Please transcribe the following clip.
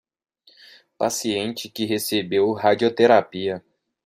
Paciente que recebeu radioterapia